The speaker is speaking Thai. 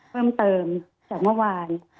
เพิ่มเติมจากเมื่อวาน